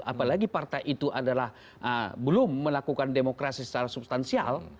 apalagi partai itu adalah belum melakukan demokrasi secara substansial